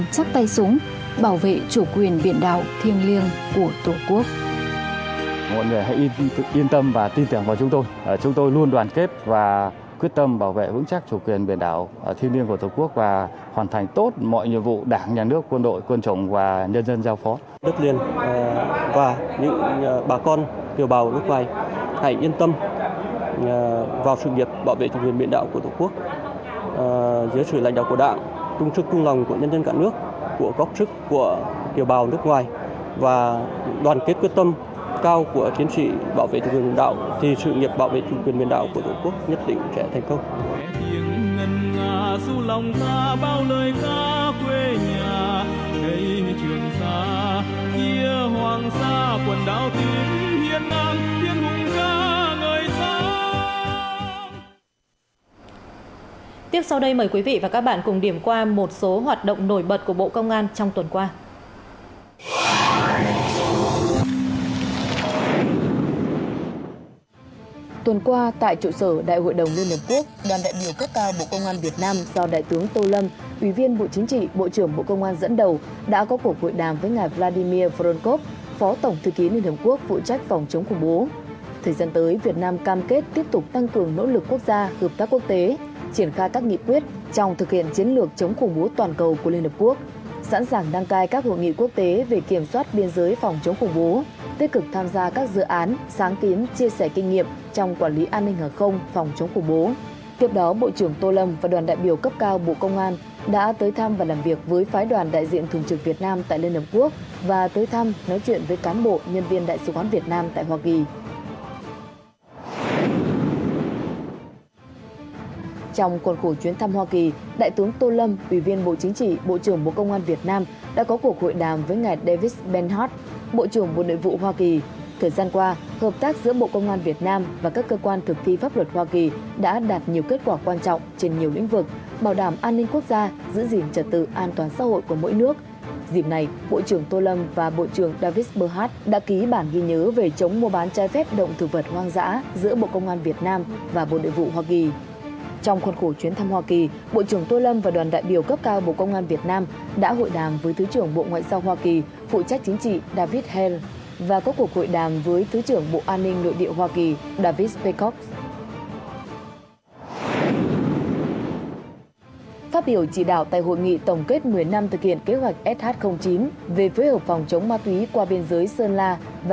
các tỉnh bắc lào thượng tướng lê quý vương ủy viên trung môn đảng thứ trưởng bộ công an đề nghị với trách nhiệm được giao trong giai đoạn tới công an tỉnh sơn la và công an các tỉnh bắc lào cần tiếp tục chủ động đoàn kết hiệp đồng các chiến nâng tầm tham mưu và triển khai các phương án kế hoạch phòng chống và kiểm soát ma túy nhằm giữ vững an ninh chính trị và trật tự an toàn xã hội trên địa bàn góp phần xây dựng tuyến biên giới việt lào hòa bình hữu nghị mãi mãi sang tươi đời đời b